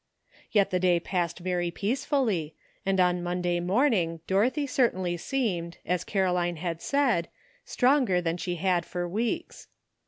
Yet the day passed very peacefully, and on Monday morning Dorothy certainly seemed, as Caroline had said, stronger than she had for weeks.